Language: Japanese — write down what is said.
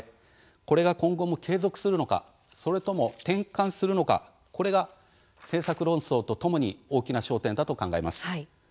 これが今後も継続するのかそれとも転換するのかこれが政策論戦とともに大きな焦点だと考えます。